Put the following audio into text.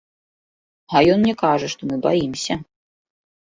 А ён мне кажа, што мы баімся.